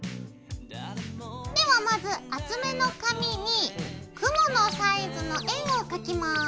ではまず厚めの紙に雲のサイズの円を描きます。